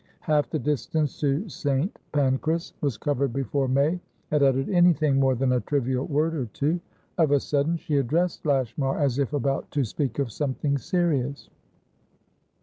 Half the distance to St. Pancras was covered before May had uttered anything more than a trivial word or two. Of a sudden she addressed Lashmar, as if about to speak of something serious.